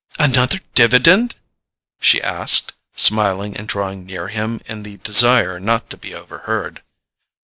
"Another dividend?" she asked, smiling and drawing near him in the desire not to be overheard.